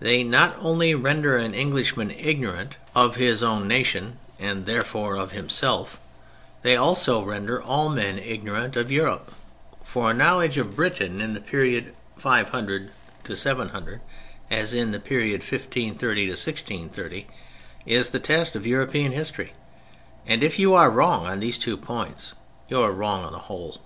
They not only render an Englishman ignorant of his own nation and therefore of himself, they also render all men ignorant of Europe: for a knowledge of Britain in the period 500 700 as in the period 1530 1630 is the test of European history: and if you are wrong on these two points you are wrong on the whole.